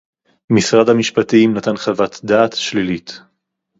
משרד המשפטים נתן חוות דעת שלילית